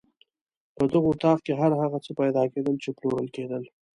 په دغه اطاق کې هر هغه څه پیدا کېدل چې پلورل کېدل.